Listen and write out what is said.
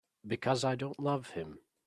Because I don't love him.